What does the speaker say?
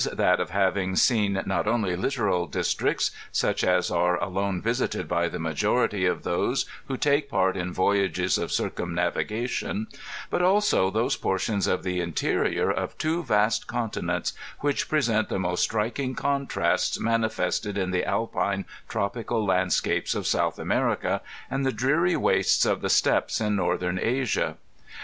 that of having seen not only littoral districts, such as are alone visited by the majority of those who take part in voyages of circmnnavigation, but also those portions of the interior of two v^ continents which present the most striking contrasts manifested in the Alpine tropical landscapes of South America, and the dreary wastes of the steppes in Northern Asia.